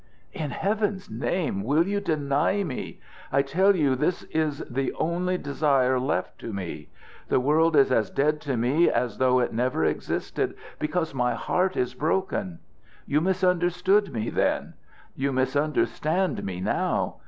"In Heaven's name, will you deny me? I tell you that this is the only desire left to me. The world is as dead to me as though it never existed, because my heart is broken. You misunderstood me then. You misunderstand me now.